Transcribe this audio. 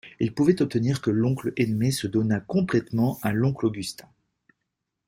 Il pouvait obtenir que l'oncle Edme se donnât complètement à l'oncle Augustin.